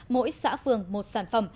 mỗi xã phường một sản phẩm